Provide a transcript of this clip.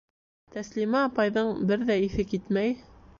Тәслимә апайҙың бер ҙә иҫе китмәй: